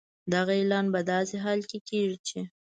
دغه اعلان په داسې حال کې کېږي چې